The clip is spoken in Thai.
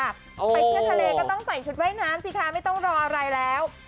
ไปเที่ยวทะเลก็ต้องใส่ชุดว่ายน้ำสิคะไม่ต้องรออะไรแล้ว